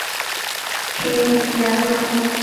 皮尼亚克。